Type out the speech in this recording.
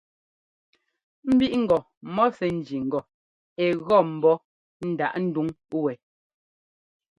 Mbíꞌŋgɔ mɔ sɛ́ ńjí ŋgɔ ɛ́ gɔ́ ḿbɔ́ ndaꞌ ndúŋ wɛ.